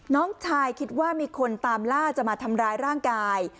น้องชายคิดว่ามีคนตามล่าจะมาทำร้ายร่างกาย